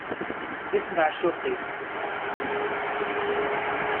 I tmeɛcuq-it.